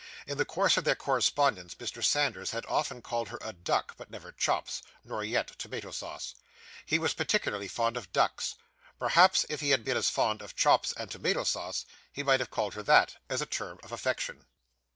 In the course of their correspondence Mr. Sanders had often called her a 'duck,' but never 'chops,' nor yet 'tomato sauce.' He was particularly fond of ducks. Perhaps if he had been as fond of chops and tomato sauce, he might have called her that, as a term of affection.